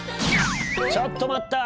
ちょっと待った！